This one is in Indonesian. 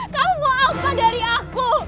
kamu mau apa dari aku